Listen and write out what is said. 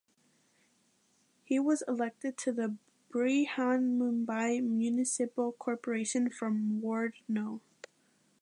He was elected to the Brihanmumbai Municipal Corporation from Ward no.